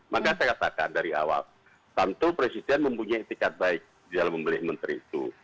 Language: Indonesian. maka saya katakan dari awal tentu presiden mempunyai etikat baik di dalam memilih menteri itu